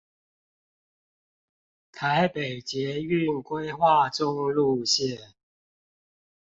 台北捷運規劃中路線